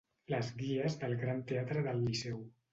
Les guies del Gran teatre del Liceu.